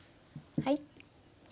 はい。